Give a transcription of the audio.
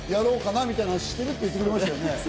みたいな話をしてるって言ってましたよね。